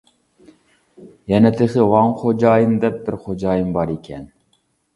يەنە تېخى ۋاڭ خوجايىن دەپ بىر خوجايىن بار ئىكەن.